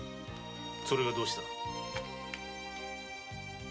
それがどうした？